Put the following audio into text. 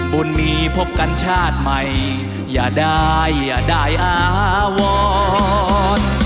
บุญมีพบกันชาติใหม่อย่าได้อย่าได้ได้อาวร